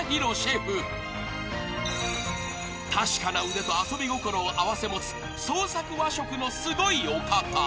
［確かな腕と遊び心を併せ持つ創作和食のすごいお方］